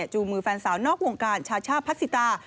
จุมือแฟนสาวนอกวงการชชช่องพลัดสิตา